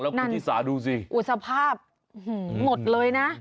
แล้วคุณศิษย์ดูสิอุตสาภาพหืมหมดเลยนะนั่น